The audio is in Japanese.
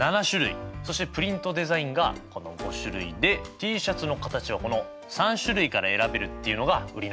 そしてプリントデザインがこの５種類でＴシャツの形はこの３種類から選べるっていうのが売りなんです。